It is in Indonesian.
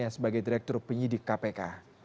sebagai direktur penyidik kpk